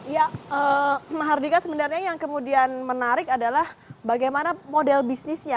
ya mahardika sebenarnya yang kemudian menarik adalah bagaimana model bisnisnya